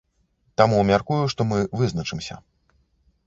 Таму, мяркую, што мы вызначымся.